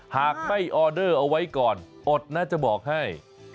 หากไม่ออเดอร์เอาไว้ก่อนอดน่าจะบอกให้